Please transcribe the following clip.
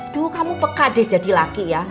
duh kamu pekat deh jadi laki ya